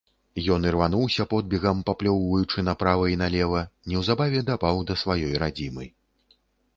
Ён ірвануўся подбегам, паплёўваючы направа і налева, неўзабаве дапаў да сваёй радзімы.